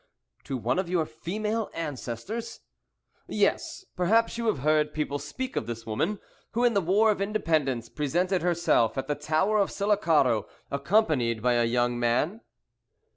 "To one of your female ancestors?" "Yes. Perhaps you have heard people speak of this woman, who in the war of independence presented herself at the Tower of Sullacaro, accompanied by a young man?"